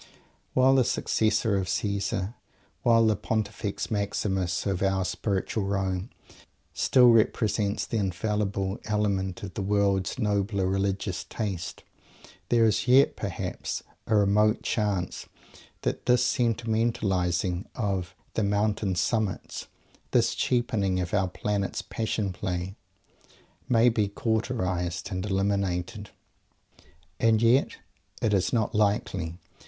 While the Successor of Caesar, while the Pontifex Maximus of our "Spiritual Rome," still represents the Infallible Element in the world's nobler religious Taste, there is yet, perhaps, a remote chance that this vulgarizing of "the mountain summits" this degrading of our Planet's Passion Play, may be cauterized and eliminated. And yet it is not likely!